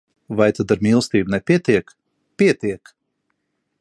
Vai tad ar mīlestību nepietiek? Pietiek!